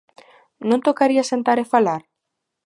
Non tocaría sentar a falar?